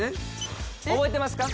覚えてますか？